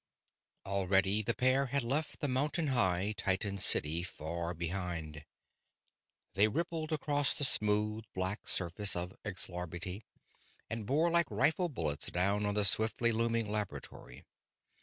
Already the pair had left the mountain high titan city far behind; they rippled across the smooth, black surface of Xlarbti, and bore like rifle bullets down on the swiftly looming laboratory.